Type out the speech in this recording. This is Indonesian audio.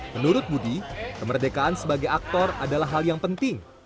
menurut budi kemerdekaan sebagai aktor adalah hal yang penting